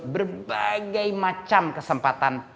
berbagai macam kesempatan